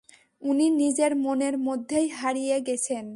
উনি নিজের মনের মধ্যেই হারিয়ে গেছেন।